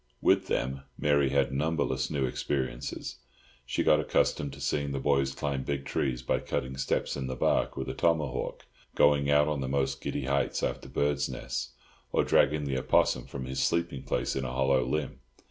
With them Mary had numberless new experiences. She got accustomed to seeing the boys climb big trees by cutting steps in the bark with a tomahawk, going out on the most giddy heights after birds' nests, or dragging the opossum from his sleeping place in a hollow limb.